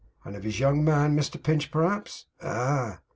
'And of his young man Mr Pinch, p'raps?' 'Ah!